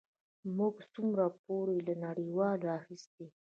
موږ څومره پور له نړیوالو اخیستی؟